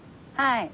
はい。